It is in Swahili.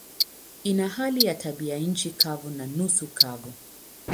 Ina hali ya tabianchi kavu na nusu kavu.